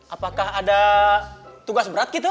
apakah ada tugas berat gitu